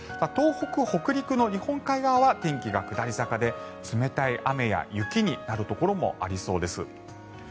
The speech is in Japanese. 東北、北陸の日本海側は天気が下り坂で冷たい雨や雪になるところもありそうです。